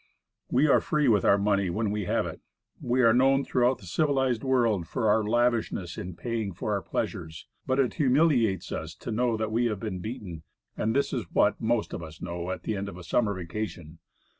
We are free with our money when we have it. We are known throughout the civilized world for our lavishness in paying for our pleasures; but it humiliates us to know we have been beaten, and this is what the most of us do know at the end of a summer vacation.